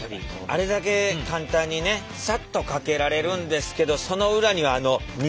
あれだけ簡単にねサッとかけられるんですけどその裏にはあの味噌掘りという。